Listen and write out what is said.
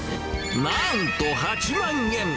なんと８万円。